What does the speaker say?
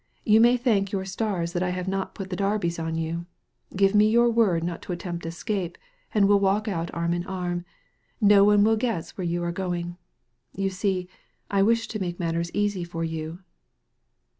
You may thank your stars that I have not put the darbies on you. Give me your word not to attempt escape, and we'll walk out arm in arm ; no one will guess where you are going. You see, I wish to make matters easy for you."